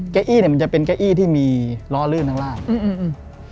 เก้าอี้เนี้ยมันจะเป็นเก้าอี้ที่มีล้อลื่นข้างล่างอืม